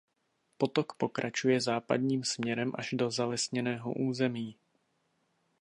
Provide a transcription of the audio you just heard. Potok pokračuje západním směrem až do zalesněného území.